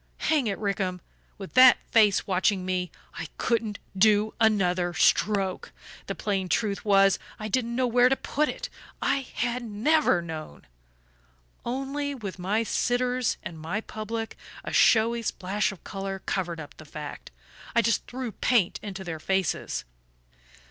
"Hang it, Rickham, with that face watching me I couldn't do another stroke. The plain truth was, I didn't know where to put it I HAD NEVER KNOWN. Only, with my sitters and my public, a showy splash of colour covered up the fact I just threw paint into their faces....